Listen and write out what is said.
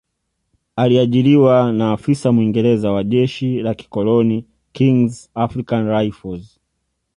Aliajiriwa na afisa Mwingereza wa jeshi la kikoloni Kings African Rifles